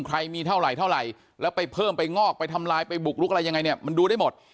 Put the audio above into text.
ใครมีเท่าไหรเท่าไหร่แล้วไปเพิ่มไปงอกไปทำลายไปบุกลุกอะไรยังไงเนี่ยมันดูได้หมด